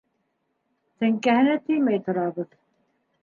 Теңкәһенә теймәй торабыҙ.